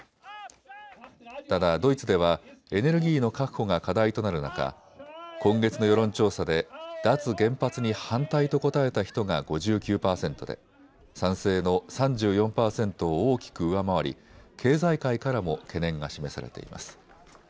ただドイツではエネルギーの確保が課題となる中、今月の世論調査で脱原発に反対と答えた人が５９％で賛成の３４％を大きく上回り経済界からも懸念が示されています。